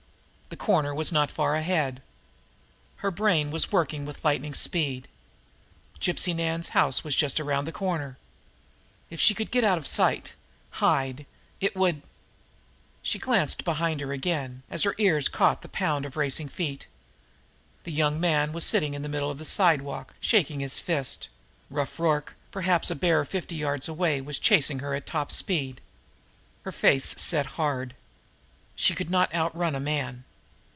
The corner was not far ahead. Her brain was working with lightning speed. Gypsy Nan's house was just around the corner. If she could get out of sight hide it would... She glanced behind her again, as her ears caught the pound of racing feet. The young man was sitting in the middle of the sidewalk, shaking his fist; Rough Rorke, perhaps a bare fifty yards away, was chasing her at top speed. Her face set hard. She could not out run a man!